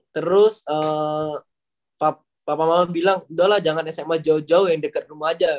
terus papa mama bilang udah lah jangan sma jauh jauh yang dekat rumah aja